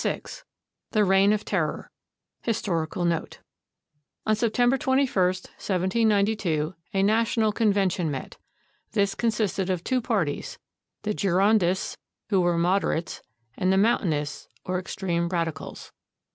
VI THE REIGN OF TERROR HISTORICAL NOTE On September 21, 1792, a National Convention met. This consisted of two parties, the Girondists, who were mod erates, and the Mountainists, or extreme radicals.